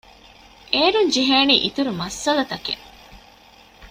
އޭރުން ޖެހޭނީ އިތުރު މައްސަލަތަކެއް